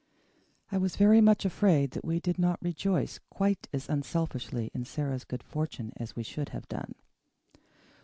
I was very much afraid that we did not rejoice quite as unselfishly in Sara's good fortune as we should have done.